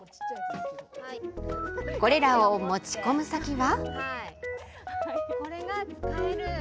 これらを持ち込む先は。